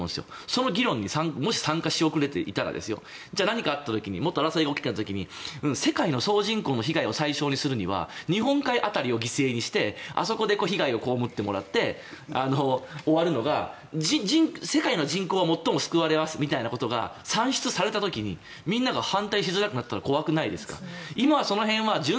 その議論にもし参加し遅れていたらじゃあ何かあった時にもっと争いが起きた時に世界の総人口の被害を最小にするには日本海辺りを犠牲にしてあそこで被害を被ってもらって終わるのが世界の人口は最も救われますみたいなことが算出された時にみんなが反対しづらくなったら怖くないですか。